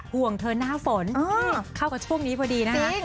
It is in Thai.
ห่วงเธอหน้าฝนเข้ากับช่วงนี้พอดีนะคะ